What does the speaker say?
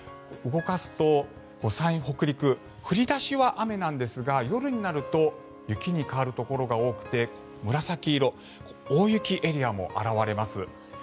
動かすと、山陰・北陸降り出しは雨なんですが夜になると雪に変わるところが多くて紫色、大雪エリアも現れます。